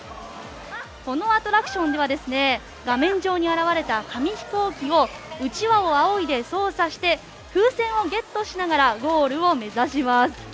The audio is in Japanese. このアトラクションでは画面上に現れた紙ヒコーキをうちわをあおいで操作して風船をゲットしながらゴールを目指します。